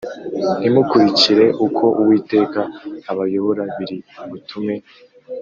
Ntimukurikire uko uwiteka abayobora biri butume